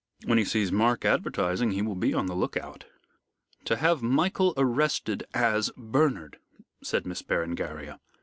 "When he sees Mark advertising he will be on the look out." "To have Michael arrested as Bernard," said Miss Berengaria.